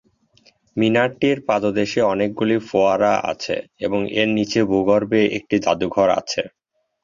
মিনারটির পাদদেশে অনেকগুলি ফোয়ারা আছে এবং এর নিচে ভূগর্ভে একটি জাদুঘর আছে।